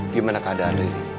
gimana keadaan riri